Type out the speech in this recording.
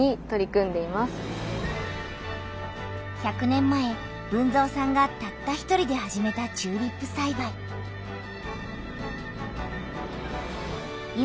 １００年前豊造さんがたった１人で始めたチューリップさいばい。